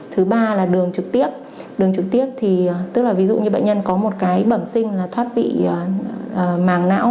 thứ ba là đường trực tiếp đường trực tiếp thì tức là ví dụ như bệnh nhân có một cái bẩm sinh là thoát vị màng não